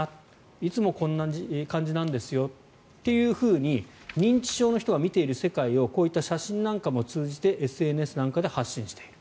いつもこんな感じなんですよっていうふうに認知症の人が見ている世界をこういった写真なんかも通じてＳＮＳなんかで発信している。